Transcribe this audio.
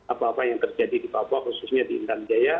apa apa yang terjadi di papua khususnya di intan jaya